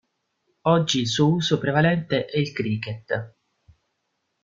Oggi il suo uso prevalente è il cricket.